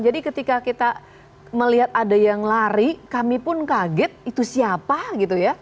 jadi ketika kita melihat ada yang lari kami pun kaget itu siapa gitu ya